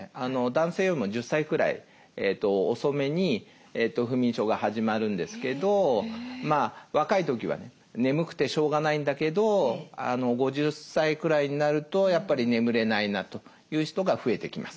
男性よりも１０歳くらい遅めに不眠症が始まるんですけど若い時はね眠くてしょうがないんだけど５０歳くらいになるとやっぱり眠れないなという人が増えてきます。